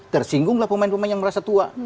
tersinggunglah pemain pemain yang merasa tua